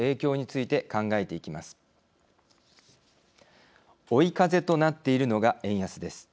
追い風となっているのが円安です。